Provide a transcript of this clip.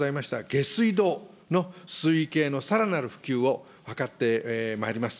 下水道の水位計のさらなる普及を図ってまいります。